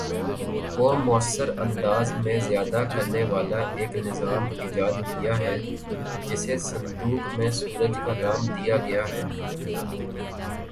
کو مؤثر انداز میں ذیادہ کرنے والا ایک نظام ایجاد کیا ہے جسے صندوق میں سورج کا نام دیا گیا ہے